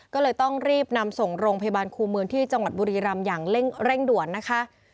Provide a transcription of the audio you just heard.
ก็เลยต้องรีบนำส่งโรงพยาบาลครูเมืองที่จังหวัดบุรีรำอย่างเร่งด่วนนะคะ